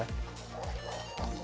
gula pasirnya ya